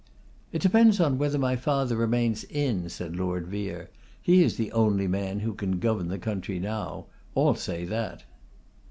'It depends on whether my father remains in,' said Lord Vere. 'He is the only man who can govern the country now. All say that.